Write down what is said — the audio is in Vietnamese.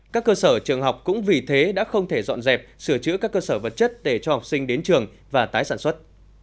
các cơ sở trường học cũng vì thế đã không thể dọn dẹp sửa chữa các cơ sở vật chất để cho học sinh đến trường và tái sản xuất